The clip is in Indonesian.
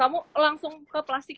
kamu langsung ke plastik